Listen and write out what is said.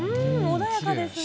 穏やかですね。